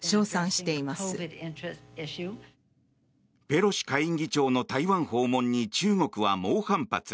ペロシ下院議長の台湾訪問に中国は猛反発。